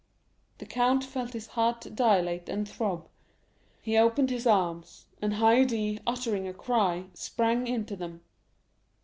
The count felt his heart dilate and throb; he opened his arms, and Haydée, uttering a cry, sprang into them.